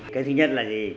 cái thứ nhất là gì